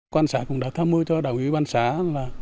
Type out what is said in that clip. quan sát cũng đã tham mưu cho đồng ý quan sát